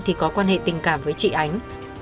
thì có quan hệ tình cảm với chị ánh